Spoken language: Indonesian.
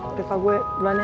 oke pak gue